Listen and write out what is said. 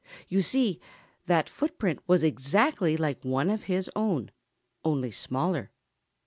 You see, that footprint was exactly like one of his own, only smaller.